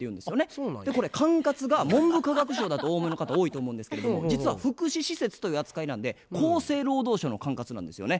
これ管轄が文部科学省だとお思いの方多いと思うんですけど実は福祉施設という扱いなんで厚生労働省の管轄なんですよね。